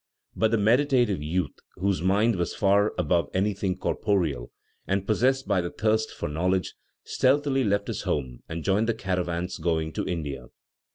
But the meditative youth, whose mind was far above anything corporeal, and possessed by the thirst for knowledge, stealthily left his home and joined the caravans going to India.